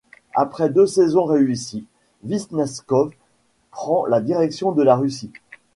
Après deux saisons réussies, Višņakovs prend la direction de la Russie.